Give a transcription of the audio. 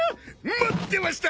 待ってました！